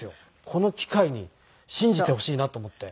この機会に信じてほしいなと思って。